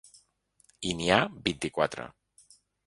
I n’hi ha vint-i-quatre.